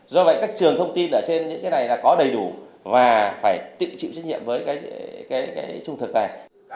do vậy các trường thông tin ở trên những cái này là có đầy đủ và phải tự chịu trách nhiệm với cái trung thực này